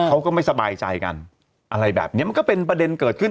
เขาก็ไม่สบายใจกันอะไรแบบเนี้ยมันก็เป็นประเด็นเกิดขึ้น